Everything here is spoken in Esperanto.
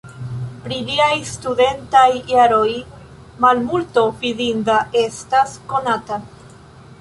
Pri liaj studentaj jaroj malmulto fidinda estas konata.